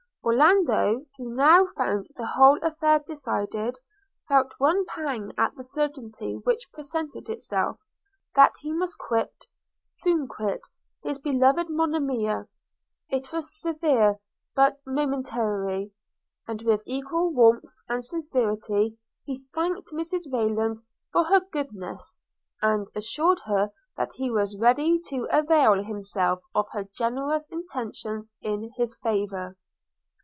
Orlando, who now found the whole affair decided, felt one pang at the certainty which presented itself, that he must quit, soon quit his beloved Monimia; it was severe, but momentary: and with equal warmth and sincerity he thanked Mrs Rayland for her goodness, and assured her that he was ready to avail himself of her generous intentions in his favour.